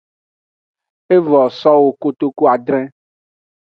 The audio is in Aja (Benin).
Evo sowo kotuadre.